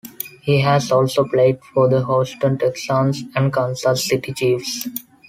He has also played for the Houston Texans and Kansas City Chiefs.